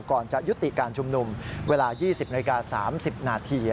ก่อนจะยุติการชุมนุมเวลา๒๐นาฬิกา๓๐นาที